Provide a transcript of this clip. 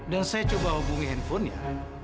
dan saya coba hubungi handphonenya